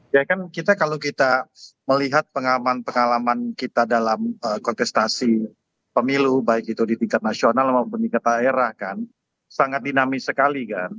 ya kan kita kalau kita melihat pengaman pengalaman kita dalam kontestasi pemilu baik itu di tingkat nasional maupun di tingkat daerah kan sangat dinamis sekali kan